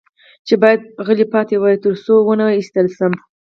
چې باید غلی پاتې وای، تر څو و نه وېشتل شم.